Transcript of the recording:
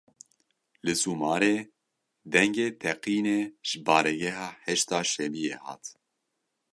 Li Zumarê dengê teqînê ji baregeha Heşda Şebiyê hat.